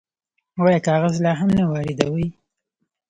آیا کاغذ لا هم نه واردوي؟